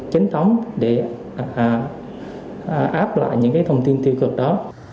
chính thống để áp lại những thông tin tiêu cực đó